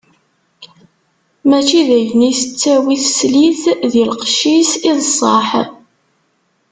Mačči d ayen i tettawi teslit di lqecc-is i d ṣṣeḥ.